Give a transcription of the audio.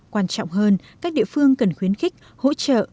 quan trọng hơn các địa phương cần khuyến khích hỗ trợ